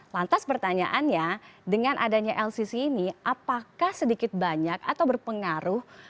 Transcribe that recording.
lantas pertanyaannya dengan adanya lcc ini apakah sedikit banyak atau berpengaruh